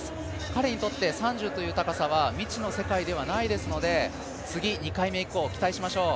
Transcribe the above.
彼にとって、３０という高さは未知の世界ではないですので次、２回目以降、期待しましょう。